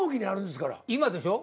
今でしょ？